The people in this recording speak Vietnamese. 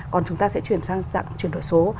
còn chúng ta sẽ chuyển sang chuyển đổi số